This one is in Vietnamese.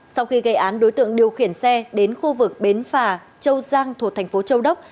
sau khi gây án đối tượng điều khiển xe đến khu vực bến phà châu giang thuộc thành phố châu đốc